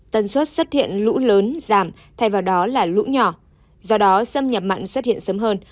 tần suất xuất hiện lũ lớn giảm thay vào đó là lũ nhỏ do đó xâm nhập mạng xuất hiện sớm hơn